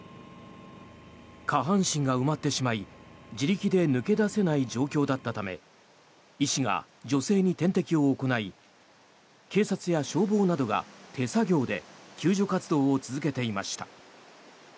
下半身が埋まってしまい自力で抜け出せない状況だったため医師が女性に点滴を行い警察や消防などが手作業で救助活動を続けていました。